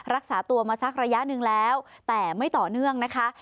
รักษาตัวมาสักระยะหนึ่งแล้วแต่ไม่ต่อเนื่องนะคะ